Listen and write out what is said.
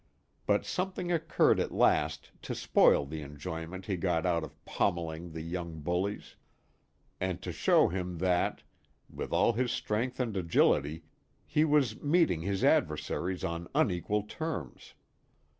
But something occurred at last to spoil the enjoyment he got out of pommelling the young bullies, and to show him that, with all his strength and agility, he was meeting his adversaries on unequal terms.